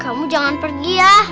kamu jangan pergi ya